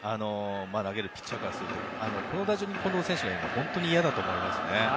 投げるピッチャーからするとこの打順に近藤選手がいるのは本当に嫌だと思いますね。